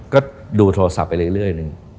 ก็ดูโทรศัพท์ไปเรื่อย